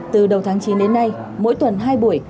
từ đầu tháng chín đến nay mỗi tuần hai buổi